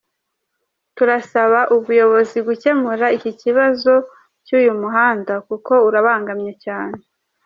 Turasaba ubuyobozi gukemura iki kibazo cy’uyu muhanda kuko urabangamye cyane.